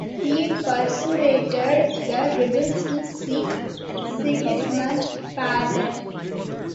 He persuaded the rebels to seek Sigismund's pardon.